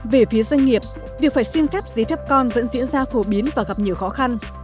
về phía doanh nghiệp việc phải xin phép giấy phép con vẫn diễn ra phổ biến và gặp nhiều khó khăn